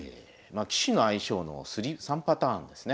棋士の相性の３パターンですね。